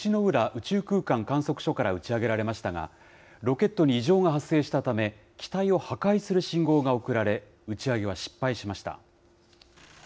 宇宙空間観測所から打ち上げられましたが、ロケットに異常が発生したため、機体を破壊する信号が送られ、打ち上げは失敗しました。